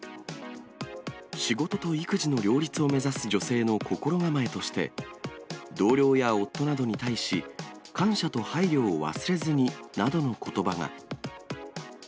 仕事と育児の両立を目指す女性の心構えとして、同僚や夫などに対し、感謝と配慮を忘れずになどのことばが。